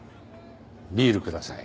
ビールください。